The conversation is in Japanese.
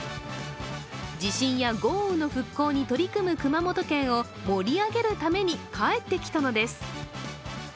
地震や豪雨の復興に取り組む熊本県を盛り上げるために帰ってきたのです。